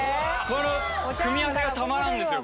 この組み合わせがたまらんですよ。